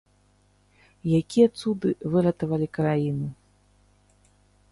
Якія цуды выратавалі краіну?